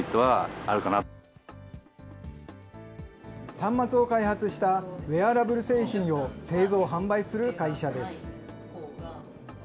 端末を開発した、ウエアラブル製品を製造販売する会社です。